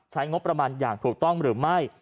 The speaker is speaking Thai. ใช้งบประมาณอย่างถูกต้องหรือไม่